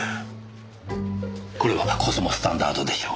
これはコスモ・スタンダードでしょう。